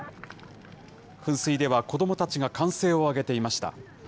噴水では、子どもたちが歓声を上げていました。